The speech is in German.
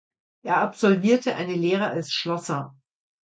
Er absolvierte eine Lehre als Schlosser.